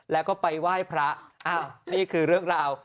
แล้วก็ไปไหว้พระนี่คือเรื่องราว